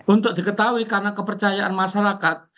untuk diketahui karena kepercayaan masyarakat